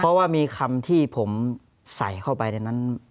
เพราะว่ามีคำที่ผมใส่เข้าไปในนั้น